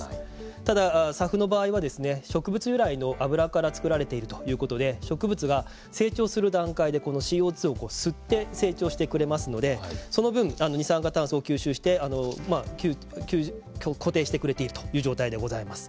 ただ、ＳＡＦの場合は植物由来の油からつくられているということで植物が成長する段階でこのＣＯ２を吸って成長してくれますのでその分、二酸化炭素を吸収して固定してくれているという状態でございます。